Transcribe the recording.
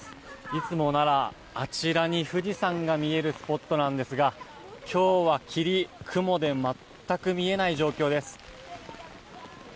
いつもならあちらに富士山が見えるスポットなんですが今日は霧、雲で全く見えない状況です。